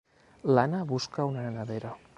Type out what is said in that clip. L'Anna busca una nevera.